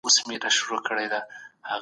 اقتصادي مشخصات له پامه مه غورځوئ.